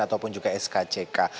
ataupun juga skck